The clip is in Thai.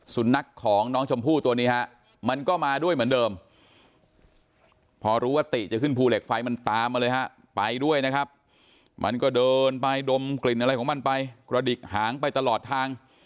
สุนัขของน้องชมพู่ตัวนี้ฮะมันก็มาด้วยเหมือนเดิมพอรู้ว่าติจะขึ้นภูเหล็กไฟมันตามมาเลยฮะไปด้วยนะครับมันก็เดินไปดมกลิ่นอะไรของมันไปกระดิกหางไปตลอดทาง